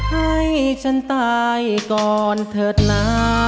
ให้ฉันตายก่อนเถิดนะ